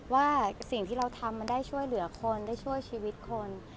ว่าสิ่งที่เราทำมันได้ช่วยเหลือคนได้ช่วยชีวิตคน